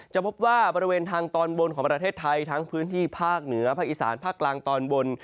จะพบว่าบริเวณทางตอนบนของประเทศไทยทั้งพื้นที่ภาคเหนือภาคอีสานภาคกลางตอนบน